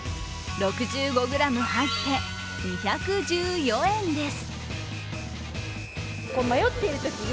６５ｇ入って２１４円です。